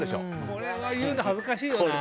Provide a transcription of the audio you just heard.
これは言うの恥ずかしいよな。